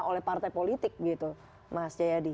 oleh partai politik begitu mas jayadi